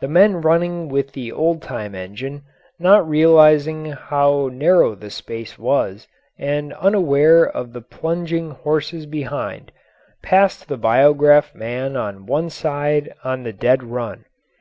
The men running with the old time engine, not realising how narrow the space was and unaware of the plunging horses behind, passed the biograph man on one side on the dead run.